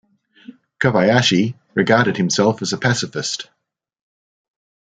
Kobayashi regarded himself as a pacifist.